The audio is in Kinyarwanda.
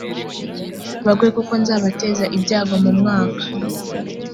bagwe kuko nzabateza ibyago mu mwaka